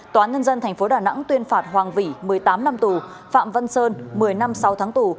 tòa nhân dân tp đà nẵng tuyên phạt hoàng vĩ một mươi tám năm tù phạm văn sơn một mươi năm sáu tháng tù